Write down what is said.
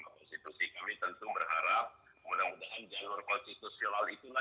kalau itu dilakukan gugatan di mk kami tentu berharap mudah mudahan jalur konstitusi lalu itulah yang akan mempertemukan